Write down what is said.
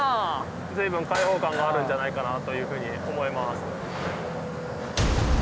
随分開放感があるんじゃないかなというふうに思います。